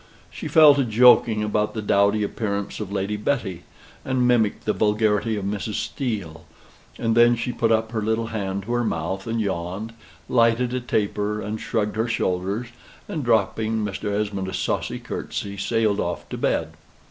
She fell to joking about the dowdy appearance of Lady Betty, and mimicked the vulgarity of Mrs. Steele; and then she put up her little hand to her mouth and yawned, lighted a taper, and shrugged her shoulders, and dropping Mr. Esmond a saucy curtsy, sailed off to bed.